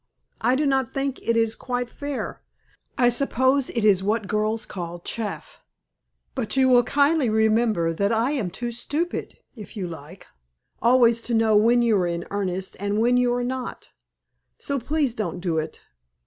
I do not think it is quite fair. I suppose it is what girls call chaff, but you will kindly remember that I am too stupid, if you like, always to know when you are in earnest and when you are not, so please don't do it.